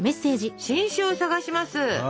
「新種を探します」。